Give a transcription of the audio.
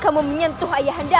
kamu menyentuh ayahanda